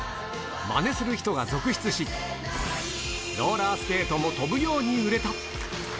まねする人が続出し、ローラースケートも飛ぶように売れた。